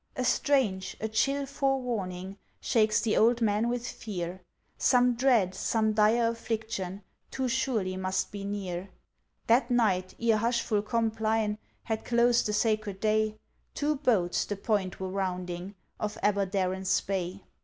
A strange, a chill forewarning, Shakes the old man with fear, Some dread, some dire affliction, Too surely must be near. That night, ere hushful Compline Had closed the sacred day, Two boats the Point were rounding, Of Aberdaron's Bay.